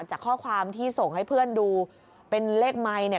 จากข้อความที่ส่งให้เพื่อนดูเป็นเลขไมค์เนี่ย